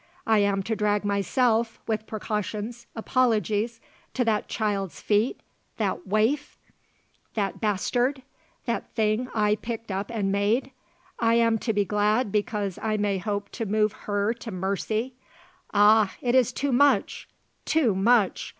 I am to drag myself with precautions apologies to that child's feet that waif! that bastard! that thing I picked up and made! I am to be glad because I may hope to move her to mercy! Ah! it is too much! too much!